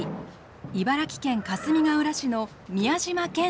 茨城県かすみがうら市の宮嶋謙市長です。